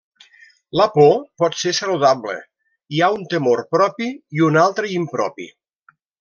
La por pot ser saludable, hi ha un temor propi i un altre impropi.